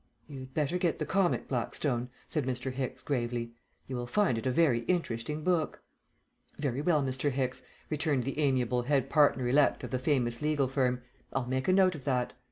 "You'd better get the comic Blackstone," said Mr. Hicks, gravely. "You will find it a very interesting book." "Very well, Mr. Hicks," returned the amiable head partner elect of the famous legal firm, "I'll make a note of that.